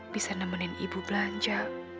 bisa nemenin ibu belanja